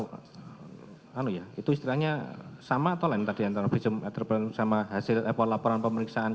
lalu ya itu istilahnya sama atau lain tadi antara visum entrepreneur sama hasil laporan pemeriksaan